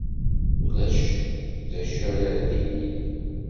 Ulac d acu ara d-inin.